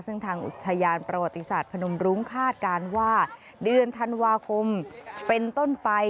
ซึ่งทางอุทยานประวัติศาสตร์พนมรุ้งคาดการณ์ว่าเดือนธันวาคมเป็นต้นไป